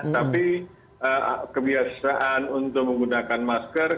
tapi kebiasaan untuk menggunakan masker